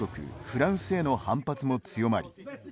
フランスへの反発も強まり